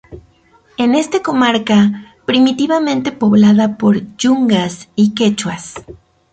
En este comarca primitivamente poblada por Yungas y Quechuas.